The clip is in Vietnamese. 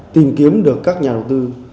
tìm kiếm được các nhà đầu tư